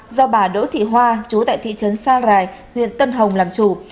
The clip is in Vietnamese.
do bà đỗ thị hoa chú tại thị trấn sa rài huyện tân hồng làm chủ